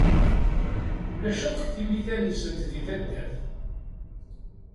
Ulac akk timital-nsent di taddart.